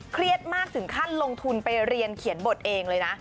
เครียดมากถึงขั้นลงทุนไปเรียนเขียนบทเองเลยนะ